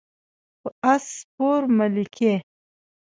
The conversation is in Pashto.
په آس سپور مه لیکئ.